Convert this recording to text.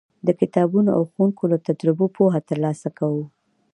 د کتابونو او ښوونکو له تجربو پوهه ترلاسه کوو.